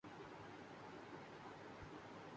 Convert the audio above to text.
میرے والدین بہت مہربان ہیں